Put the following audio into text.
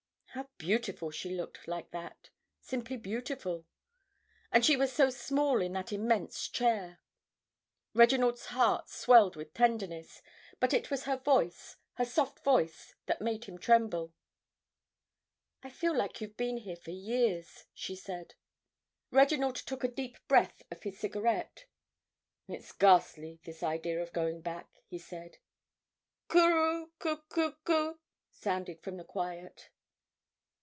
How beautiful she looked like that!—simply beautiful—and she was so small in that immense chair. Reginald's heart swelled with tenderness, but it was her voice, her soft voice, that made him tremble. "I feel you've been here for years," she said. Reginald took a deep breath of his cigarette. "It's ghastly, this idea of going back," he said. "Coo roo coo coo coo," sounded from the quiet.